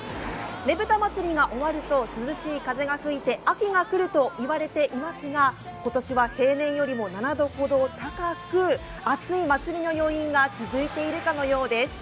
ねぶた祭が終わると涼しい風が吹いて秋が来るといわれていますが、今年は平年よりも７度ほど高く、熱い祭りの余韻が続いているかのようです。